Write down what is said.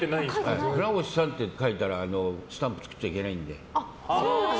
船越さんって書いたらスタンプ作っちゃいけないんで。